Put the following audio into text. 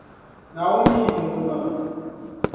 Naawuni mi yi dimba maa.